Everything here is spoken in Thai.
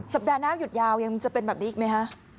ปัดหน้าหยุดยาวยังจะเป็นแบบนี้อีกไหมคะ